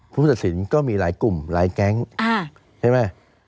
ผู้ตัดสินก็มีหลายกลุ่มหลายแก๊งใช่ไหม